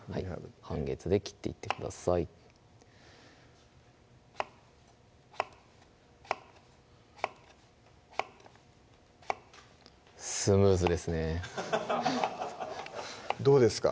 半月で切っていってくださいスムーズですねどうですか？